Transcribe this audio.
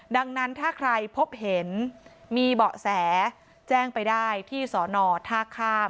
ดังนั้นถ้าใครพบเห็นมีเบาะแสแจ้งไปได้ที่สอนอท่าข้าม